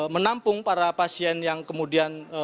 menampung para pasien yang kemudian